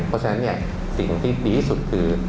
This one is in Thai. เพราะฉะนั้นสิ่งที่ดีที่สุดคือ